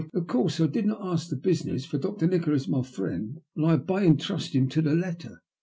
Of course I did not ask the business, for Dr. Nikola is my friend, and I obey and trust him to the letter.